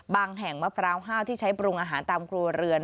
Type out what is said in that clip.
แห่งมะพร้าวห้าวที่ใช้ปรุงอาหารตามครัวเรือน